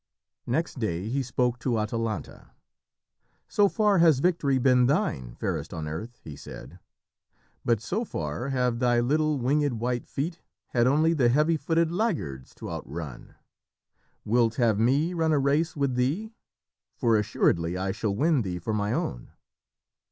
Next day he spoke to Atalanta. "So far has victory been thine, Fairest on earth," he said, "but so far have thy little winged white feet had only the heavy footed laggards to outrun. Wilt have me run a race with thee? for assuredly I shall win thee for my own."